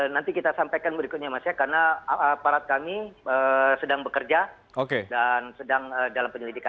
nanti kita sampaikan berikutnya mas ya karena aparat kami sedang bekerja dan sedang dalam penyelidikan